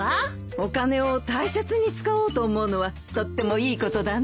お金を大切に使おうと思うのはとってもいいことだね。